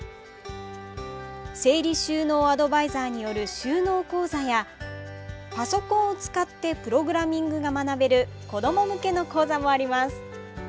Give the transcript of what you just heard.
整理収納アドバイザーによる収納講座やパソコンを使ってプログラミングが学べる子ども向けの講座もあります。